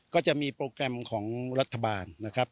ก็จะมีโปรแกรมของรัฐบาลนะครับ